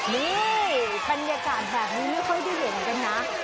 นี่บรรยากาศแบบนี้ไม่ค่อยได้เห็นกันนะ